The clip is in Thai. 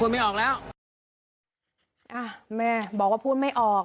ไม่ออกแล้วอ่ะแม่บอกว่าพูดไม่ออก